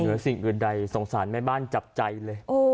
สิ่งอื่นใดสงสารแม่บ้านจับใจเลย